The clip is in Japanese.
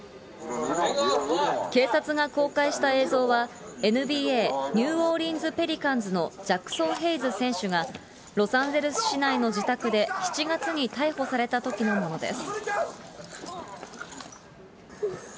警察が公開した映像は、ＮＢＡ・ニューオーリンズペリカンズのジャクソン・ヘイズ選手が、ロサンゼルス市内の自宅で、７月に逮捕されたときのものです。